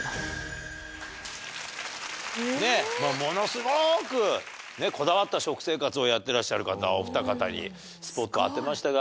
ものすごくこだわった食生活をやってらっしゃる方お二方にスポットを当てましたが。